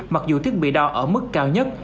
mặc dù thiết bị đo ở mức cao nhất